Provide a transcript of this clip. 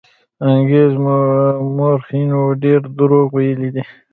انګرېز مورخینو ډېر دروغ ویلي دي.